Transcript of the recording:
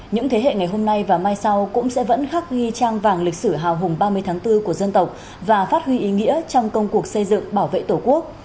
những thế hệ ngày hôm nay và mai sau cũng sẽ vẫn khắc ghi trang vàng lịch sử hào hùng ba mươi tháng bốn của dân tộc và phát huy ý nghĩa trong công cuộc xây dựng bảo vệ tổ quốc